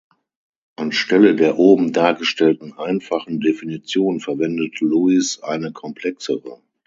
Anstelle der oben dargestellten einfachen Definition verwendet Lewis eine komplexere.